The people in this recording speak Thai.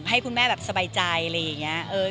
ให้คุณแม่แบบสบายใจอะไรอย่างนี้